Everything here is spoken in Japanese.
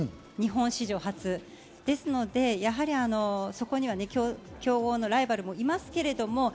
日本史上初ですので、強豪のライバルもいますけれども。